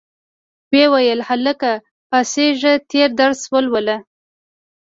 ویې ویل هلکه پاڅیږه تېر درس ولوله.